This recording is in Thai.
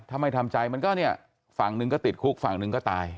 ถ้าไม่ทำใจมันก็เนี่ยฝั่งหนึ่งก็ติดคุกฝั่งหนึ่งก็ตาย